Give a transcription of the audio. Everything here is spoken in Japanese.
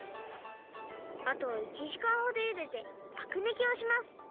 あとは１じかんほどゆででアクぬきをします。